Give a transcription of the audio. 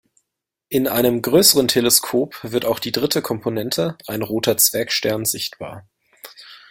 In einem größeren Teleskop wird auch die dritte Komponente, ein roter Zwergstern, sichtbar.